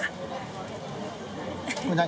これ何？